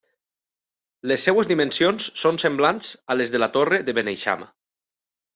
Les seues dimensions són semblants a les de la Torre de Beneixama.